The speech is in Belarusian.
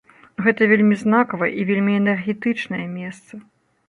Гэта вельмі знакавае і вельмі энергетычнае месца.